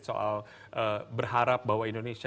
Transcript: soal berharap bahwa indonesia